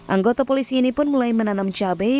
anggota polisi ini pun mulai menanam cabai